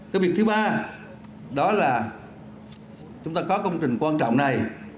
cái việc thứ ba đó là chúng ta có công trình quan trọng này